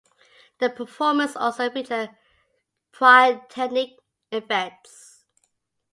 The performance also featured pyrotechnic effects.